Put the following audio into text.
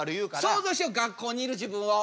想像しよう学校にいる自分を。